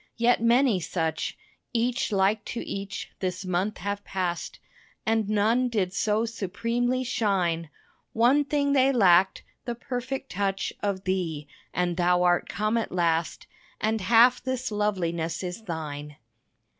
Yet many such, Each like to each, this month have passed, And none did so supremely shine. One thing they lacked: the perfect touch Of thee and thou art come at last, And half this loveliness is thine.